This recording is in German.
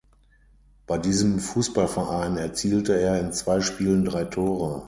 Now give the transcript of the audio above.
Bei diesem Fußballverein erzielte er in zwei Spielen drei Tore.